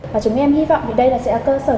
và chúng em hy vọng thì đây là sẽ là cơ sở